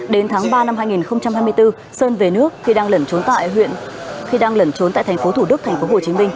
đến tháng ba năm hai nghìn hai mươi bốn sơn về nước khi đang lẩn trốn tại thành phố thủ đức thành phố hồ chí minh